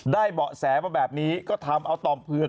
ได้เบาะแสบ่แบบนี้ก็ถามเอาตอบเผือก